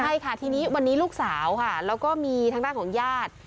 ใช่ค่ะทีนี้วันนี้ลูกสาวค่ะแล้วก็มีทางด้านของญาติ